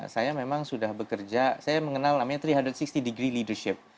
saya memang sudah bekerja saya mengenal namanya tiga ratus enam puluh degree leadership